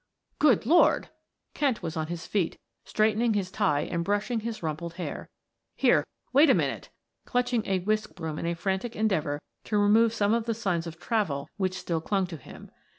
"Good Lord!" Kent was on his feet, straightening his tie and brushing his rumpled hair. "Here, wait a minute" clutching a whisk broom in a frantic endeavor to remove some of the signs of travel which still clung to him.